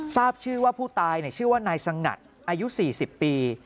ทราบชื่อว่าผู้ตายชื่อว่านายสงัดอายุ๔๐ปี